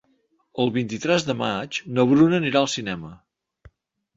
El vint-i-tres de maig na Bruna anirà al cinema.